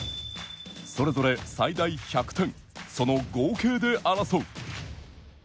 それぞれ最大１００点その合計で争う。